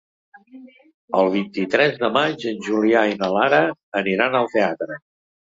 El vint-i-tres de maig en Julià i na Lara aniran al teatre.